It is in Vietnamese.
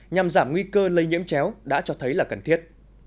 nhằm giảm nguy cơ lây nhiễm chéo đã cho thấy là cần thiết